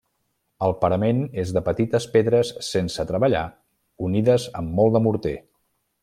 El parament és de petites pedres sense treballar unides amb molt de morter.